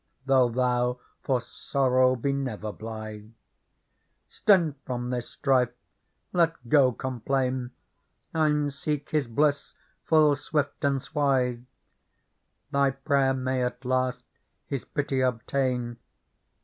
Though thou for sorrow be never blithe. Stint from this strife ; let go complain, And seek His bliss full swift and swithe. Thy prayer may at last His pity obtain.